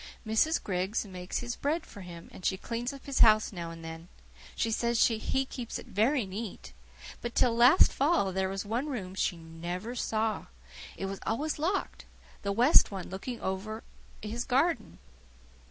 Mrs. Griggs makes his bread for him, and she cleans up his house now and then. She says he keeps it very neat. But till last fall there was one room she never saw. It was always locked the west one, looking out over his garden.